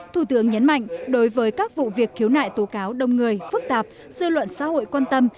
thủ tướng nhấn mạnh đối với các vụ việc khiếu nại tố cáo đông người phức tạp dư luận xã hội quan tâm